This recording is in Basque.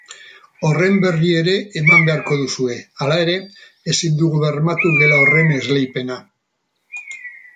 Horren berri ere eman beharko duzue; hala ere, ezin dugu bermatu gela horren esleipena.